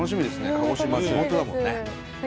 鹿児島地元だもんね。